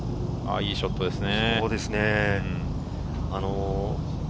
いいショットですね。